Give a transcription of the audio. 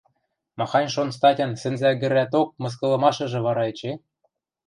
Махань-шон статян сӹнзӓгӹрӓток мыскылымашыжы вара эче?